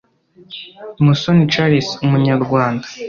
musoni charles umunyarwanda